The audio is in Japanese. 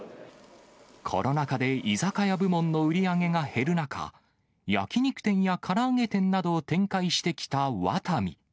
コロナ禍で居酒屋部門の売り上げが減る中、焼き肉店やから揚げ店などを展開してきたワタミ。